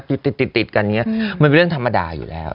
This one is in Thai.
อยู่ติดกันมันเป็นเรื่องธรรมดาอยู่แล้ว